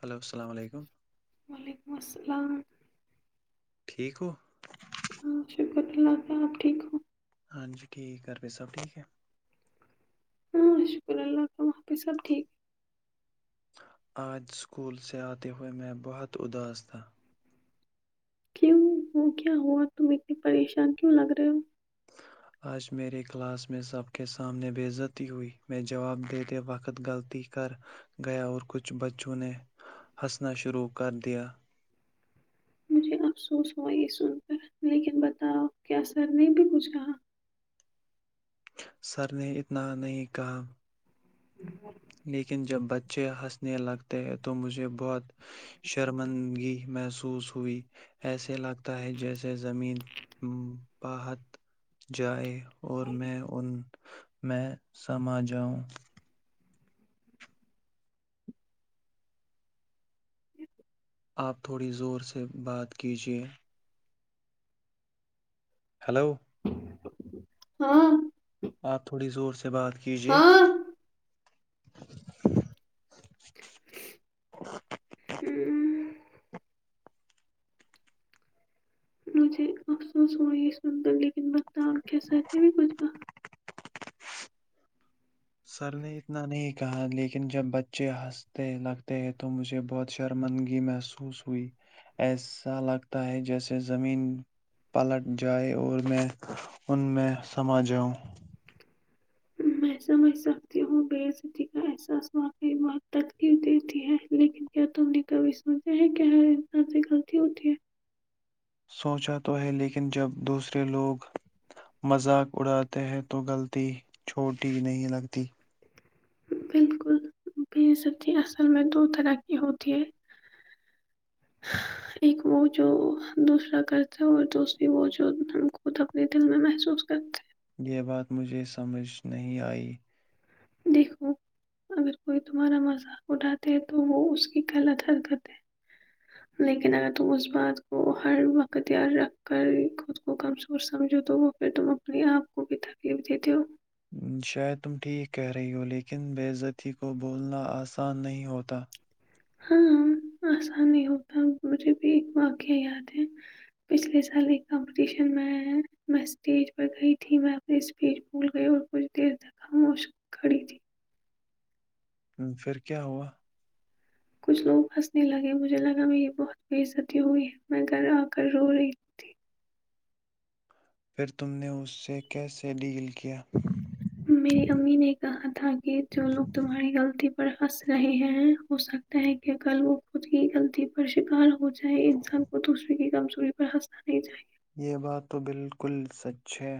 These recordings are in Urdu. ہیلو السلام علیکم وعلیکم السلام ٹھیک ہو ہ شکر اللہ کا آپ ٹھیک ہو ہاں جی ٹھیک ہے کرپیر سب ٹھیک ہے ہاں شکر اللہ ت وہاں پہ سب ٹھیک ہے آج اسکول سے آتے ہوئے میں بہت اداس تھا کیوں وہ کیا ہوا تم اتنے پریشان کیوں لگ رہے ہو آج میرے کلاس میں سب کے سامنے بے عزتی ہوئی میں جواب دیتے وقت غلطی کر گیا اور کچھ بچوں نے ہنسنا شروع کر دیا مجھے افسوس ہوا یہ سن کر لیکن بتاؤ کیا سر نے بھی پچھا سر نے اتنا نہیں کہا لیکن جب بچے ہنسنے لگتے ہیں تو مجھے بہت شرمندگی میںح محسوس ہوئی ایسے لگتا ہے جیسے زمین باہت جائے اور میں ان میں سما جاؤں آپ تھوڑی زور سے بات کیجے ہلو ہاں آپ تھوڑی زور سے بات کیجے ہاں ہ [inaudible] مجھے افسوس ہوا یہ سنند لیکن بس تو اور کی ساتتے بھی پچھبا سر نے اتنا نہیں کہا لیکن جب بچے ہنستے لگتے ہیں تو مجھے بہت شرمندگی محسوس ہوئی ایسا لگتا ہے جیسے زمین پلٹ جائے اور میں ان میں سما جاؤں میں سمجھ سکتی ہوں بےعزتی کا احساس واقعی بہت تکلیف دیتی ہے لیکن کیا تم نے کبھی سوچا ہے کیا ہ انسان سے غلطی ہوتی ہے سوچا تو ہے لیکن جب دوسرے لوگ مذاق اڑاتے ہیں تو غلطی چھوٹی نہیں لگتی بالکل بے سبتی اصل میں دو طرح کی ہوتی ہے ایک وہ جو دوسرا کرتے اور دوسری وہ جو ہم خود اپنے دل میں محسوس کرتے یہ بات مجھے سمجھ نہیں آئی دیکھو اگر کوئی تمہارا مذاق اٹھاتے ہے تو وہ اس کی غلط حل کرتے ہیں لیکن اگر تم اس بات کو ہر وقت یاار رکھ کر خود کو کمزور سمجھو تو وہ پھر تم اپنے آپ کو بھی تکلیف دیتے ہو شاید تم ٹھیک کہہ رہی ہو لیکن بےزتی کو بولنا آسان نہیں ہوتا ہاں آسان نہیں ہوتا مجھے بھی ایک واقعہ یاد ہے پچھلے سال ایک کمپٹیشن میں میں اسٹیج پر گئی تھی میں اپنی اسپیچ بھول گئی اور کچھ دیر تک ہموش کھڑی تھی پھر کیا ہوا کچھ لوگ ہنسنے لگے مجھے لگا میں یہ بہت بےزتی ہوئی ہے میں گھر آ کر رو رہی تھی پھر تم نے اس سے کیسے ڈیل کیا؟ میری امی نے کہا تھا کہ جو لوگ تمہاری غلطی پر ہنس رہے ہیں ہو سکتا ہے کہ ا کل وہ خود کی غلطی پر شکار ہو چاہے انسان کو دوسرے کم چوری پر ہنسنا نہیں چاہیے یہ بات تو بالکل سچ ہے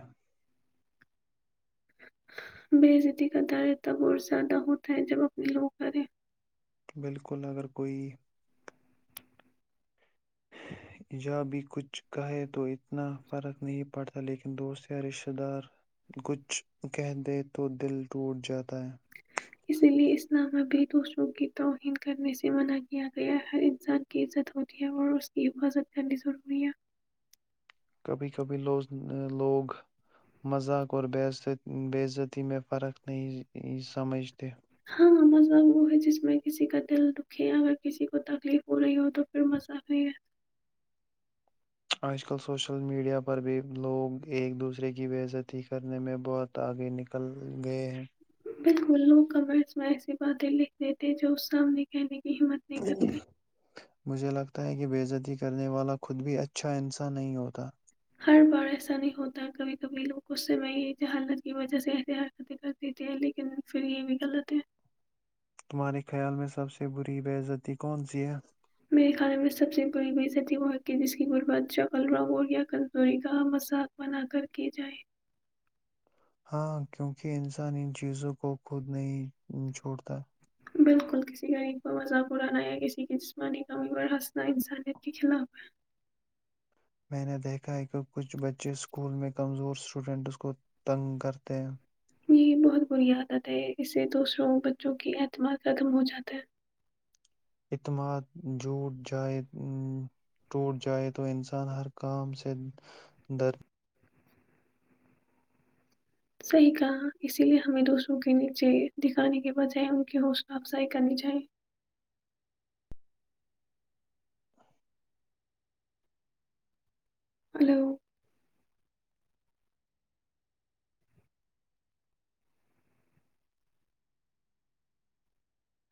بےعزتی کا دارے تب اور زیادہ ہوتا ہے جب اپنے لوگوں کریں بالکل اگر کوئی جو ابھی کچھ کھائیں تو اتنا غلط نہیں پڑتا لیکن دوست یار رشتہ دار کہتے ہیں تو دل ٹوٹ جاتا ہے اسی لئے اسلام ا بھی دوسروں کی توہین کرنے سے منع کیا گیا ہر انسان کی عزت ہوتی ہے اور اس کی حفاظت کرنی ضروری ہے کبھی کبھی لوز لوگ مذاق اور بے بے عزتی میں فرق نہیں سمجھتے مزہق وہ ہے جس میں کسی کا دل دکھے اگر کسی کو تکلیف ہو رہی ہو تو پھر مزہق آج کل سوشل میڈیا پر بھی لوگ ایک دوسرے کی بےزتی کرنے میں بہت آگے نکل گئے ہیں بالکل لوگ کمنٹس میں ایسی باتیں لکھتے تھے جو اس سامنے کہنے کی ہمت نہیں کرتے مجھے لگتا ہے کہ بےزتی کرنے والا خود بھی اچھا انسان نہیں ہوتا ہار بار ایسا نہیں ہوتا کبھی کبھی لوگ اس سے میں یہ حالت کی وجہ سے ایسی حرکتیں کر دیتے ہیں لیکن پھر یہ بھی غلط ہے تمہارے خیال میں سب سے بری بےعزتی کون سی ہے میرے خھانے میں سب سے بڑی بیصط وہا کی جس کی غربت چکل رگور یا کزوری کا مذاق بنا کر کی جائے ہاں کیوںکہ انسان ان چیزوں کو خود نہیں چھوڑتا بالکل کسی کا ان کو مذاقرانا یا کسی کی جسمانی کمی پر ہنسنا انسانیت کے خلاف ہے میں نے دیکھا ہے کہ کچھ بچے اسکول میں کمزور اسٹوڈنٹس کو تنگ کرتے ہیں یہ بہت بری عدت ہے اس سے دو سروں بچوں کی اعتماد ختم ہو جاتے ہے اعتماد جھٹ جائے ٹوٹ جائے تو انسان ہر کام سے در صحیح کہا اسی لیے ہمیں دوسروں کے نیچے دکھانے کے بجائے ان کی حوصلہ افزائی کرنی چاہیے ہلو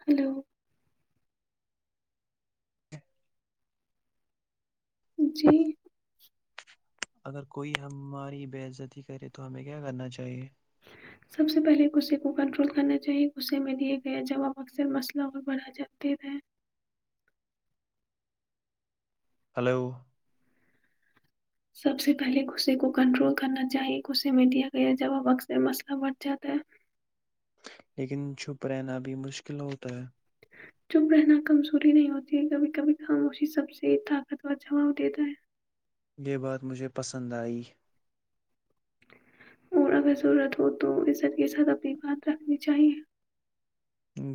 ہلو جی اگر کوئی ہماری بےزتی کرے تو ہمیں کیا کرنا چاہیے سب سے پہلے غصے کو کنٹرول کرنا چاہیے غصے میں دیا گیا جواب اکثر مسئلہ اور بڑھا جاتے تھے ہلو سب سے پہلے غصے کو کنٹرول کرنا چاہئے غصے میں دیا گیا جباں وقت میں مسئلہ بڑھ جاتا ہے لیکن چھپ رہنا بھی مشکل ہوتا ہے چپ رہنا کمزوری نہیں ہوتی ہے کبھی کبھی خاموشی سب سے طاقت وور جواب دیتا ہے یہ بات مجھے پسند آئی اور اگر ضرورت ہو تو اس اق س اپنی بات رکھنی چاہیئے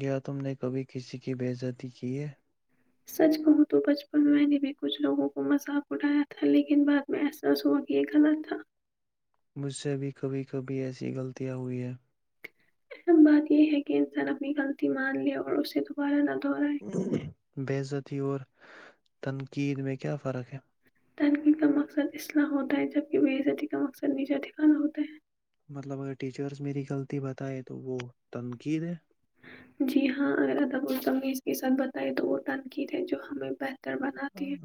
گ تم نے کبھی کسی کی بےزتی کی ہے سچ کہوں تو بچپن میں نے بھی کچھ لوگوں کو مذاق اٹھایا تھا لیکن بعد میں احساس ہوا کہ یہ غلط تھا مجھ سے بھی کبھی کبھی ایسی غلطیاں ہوئی ہیں بات یہ ہے کہ انسان اپنی غلطی مان لے اور اس سے دوبارہ دہرائے بے عذاتی اورور تنقید میں کیا فرق ہے ترقی کا مقصد اسلح ہوتا ہے جبک بےعزتی کا مقصد نیچا ٹھکانا ہوتا ہے مطلب اگر ٹیچرس میری غلطی بتائے تو وہ تنقید ہے جی ہاں اگر اد ہم نے اس کے ساتھ بتیا تو وہ تٹنقید ہے جو ہمیں بناتی ہے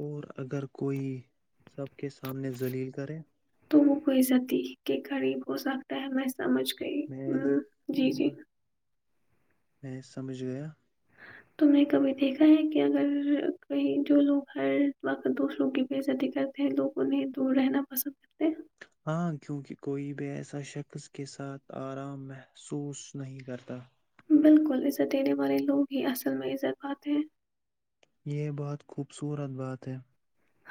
اور [unintelligible] اگر کوئی سب کے سامنے ذلیل کرے تو وہ کوئیزتی کے قریب ہو سکتا ہے میں سمجھ گئی میں ہ جی جی میں سمجھ گیا تو نے کبھی دیکھا ہے کہ اگر کہیں جو لوگ ہر وقت دوسروں کی بےزتی کرتے ہیں لوگ انہیں دور رہنا پسند کرتے ہیں ہاں کیونکہ کوئی بھی ایسا شخص کے ساتھ آرام محسوس نہیں کرتا ہیں بالکل عزت دینے والے لوگ ہی اصل میں عزت پات ہیں یہ بہت خوبصورت بات ہے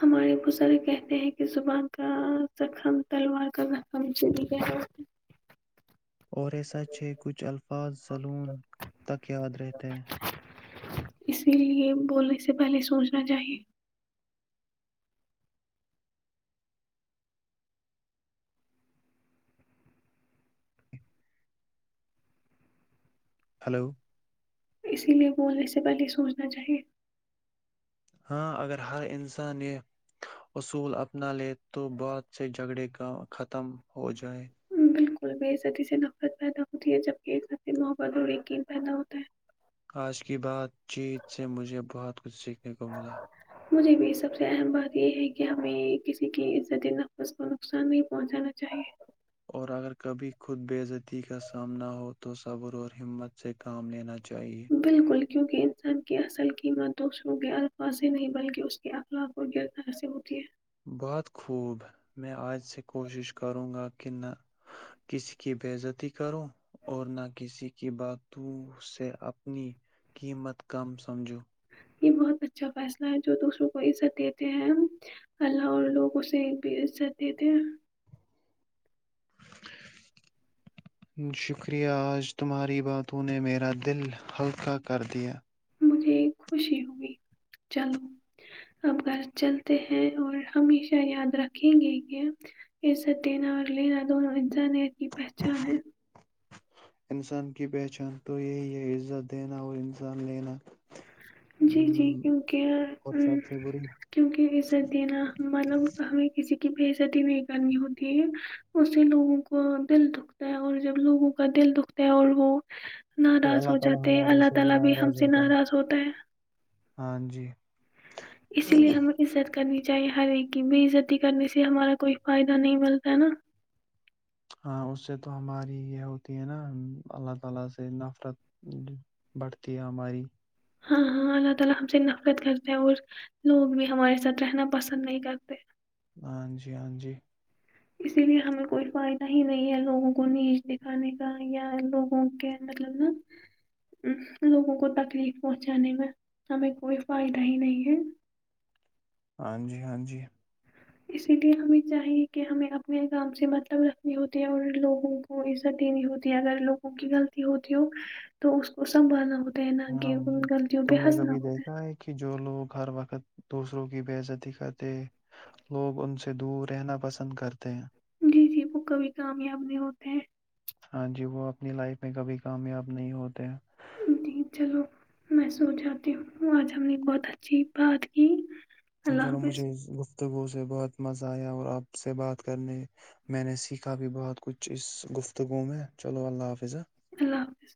ہمارے وہسر کہتے ہیں کہ زبان کا زخم تلوار کا زخم چ اور یہ سچ ہے کچھ الفاظ سلون تک یاد رہتے ہیں اسی لیے بولنے سے پہلے سوچنا چاہیے ہلو اسی لیے بولنے سے پہلے سوچنا چاہیے ہاں اگر ہر انسان یہ اصول اپنا لے تو بعد سے جھگڑے کا ختم ہو جائے بالکل بےزتی سے نفرت پیدا ہوتی ہے جبکہ س سے محبت اور یقین پیدا ہوتا ہے آج کی بات چیت سے مجھے بہت کچھ سیکھنے کو ملا مجھے بھی سب سے اہم بات یہ ہے کہ ہمیں کسی کی عزتی نفس کو نقصان نہیں پہنچانا چاہیے اور اگر کبھی خود بے عزتی کا سامنا ہو تو صبر اور ہمت سے کام لینا چاہیئے بالکل کیونکہ انسان کی اصل قیمت دوسروں کے الفاظ ہی نہیں بلکہ اس کے اخلاق اور گردار سے ہوتی ہے بہت خوب میں آج سے کوشش کروں گا کہ نہ کسی کی بےزتی کرو اور نہ کسی کے یہ بات تو مجھ سے اپنی کم سمجھو بابا یہ بہت اچھا فیصلہ ہے جو دوسروں کو عزت دیتے ہیں اللہ اور لوگ اسے بھی عزت دیتے ہیں شکریہ آج تمہاری باتوں نے میرا دل ہلکا کر دیا مجھے خوشی ہوئی چلو اب گھر چلتے ہیں اور ہمیشہ یاد رکھیں گے یہ عزت دینا اور لینا دونوں انزا کی پہچان ہے انسان کی پہچان تو یہی ہے عزت دینا اور انسان لینا جی جی ہم، اور سب سے بری کیونکہ اضت دینا مطلب ہمیں کسی کی بےزتی نہیں کرنی ہوتی ہے اس سے لوگوں کو دل دکھتا ہے اور جب لوگوں کا دل دکھتا ہے اور وہ تو ناراض اللہ ہو تعالی جاتے ہیں ہمارے اللہ سے تعالی بھی ہم ناراض سے ہوتا ہے ناراض [unintelligible] ہاں جی اس لیے ہمیں عزت کرنی چاہیے ہر ایک کی بے عزتی کرنے سے ہمارا کوئی فائدہ نہیں ملتا ہے نا [unintelligible] [unintelligible] ہاں جی ہاں جی اسی لیے ہمیں کوئی فائدہ ہی نہیں ہے لوگوں کو نیچ دکھانے کا یا لوگوں کے مطلب نا لوگوں کو تکلیف پہنچانے میں ہمیں کوئی فائدہ ہی نہیں ہے ہاں جی ہاں جی اسی لیے ہمیں چاہیے کہ ہمیں اپنے کام سے مطلب رکھنی ہوتی ہے اور لوگوں کو عزت دینی ہوتی ہے اگر لوگوں کی غلطی ہوتی ہو تو اس کو سنبھالنا ہوتا ہے نہ ہاں کہ ان جی غلطیوں پہ تم نے ہنسنا کبھی ہوتا دیکھا ہے کہ جو لوگ ہر وقت دوسروں کی بےزتی کرتے لوگ ان سے دور رہنا پسند کرتے ہیں جی جی وہ کبھی کامیاب نہیں ہوتے ہیں ہاں جی وہ اپنی لائف میں کبھی کامیاب نہیں ہوتے جی چلو میں سو جاتی ہوں آج ہم نے بہت اچھی بات کی اللہ چلو حافظ مجھے گفتگوؤ سے بہت مزہ آیا اور آپ سے بات کرنے میں نے سیکھا بھی بہت کچھ اس گفتگو میں چلو اللہ حافظ اللہ حافظ